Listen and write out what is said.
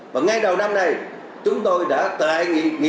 và ngay đầu năm nay chúng tôi đã tại nghị định số tám